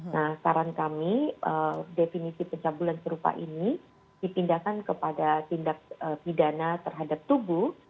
nah saran kami definisi pencabulan serupa ini dipindahkan kepada tindak pidana terhadap tubuh